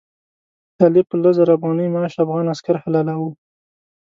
طالب په لس زره افغانۍ معاش افغان عسکر حلالاوه.